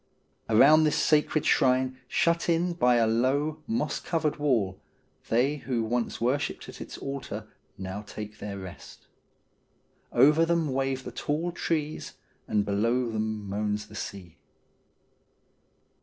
Around this sacred shrine, shut in by a low, moss covered wall, they who once worshipped at its altar now take their rest. Over them wave the tall trees, and below them moans the sea.